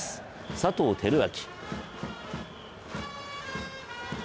佐藤輝明。